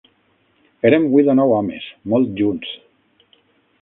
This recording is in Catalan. Érem vuit o nou homes, molt junts